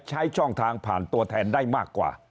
ใช้ช่องทางผ่านตัวแทนได้มากกว่า